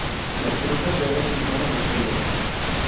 Las frutas se abren en forma de estrella.